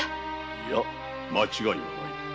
いや間違いはない。